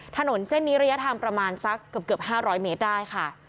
ถนนเส้นนี้ระยะทางประมาณสักเกือบ๕๐๐เมตรได้ค่ะ